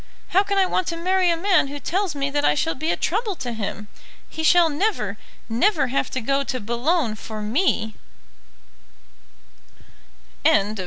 How can I want to marry a man who tells me that I shall be a trouble to him? He shall never, never have to go to Boulogne for me." CHAPTER XLIII. THE SECOND THUNDERBOLT.